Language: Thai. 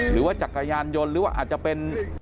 หรือว่าจักรยานยนต์หรือว่าอาจจะเป็น